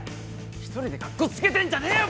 一人でカッコつけてんじゃねえよ